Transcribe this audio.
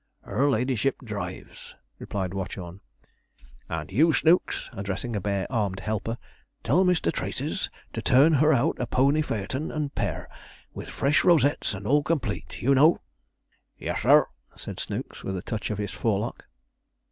'Her ladyship drives,' replied Watchorn. 'And you. Snooks,' addressing a bare armed helper, 'tell Mr. Traces to turn her out a pony phaeton and pair, with fresh rosettes and all complete, you know.' 'Yes sir,' said Snooks, with a touch of his forelock.